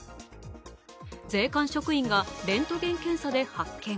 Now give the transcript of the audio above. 税関職員がレントゲン検査で発見。